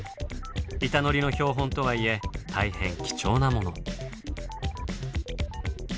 板ノリの標本とはいえ大変貴重なモノ。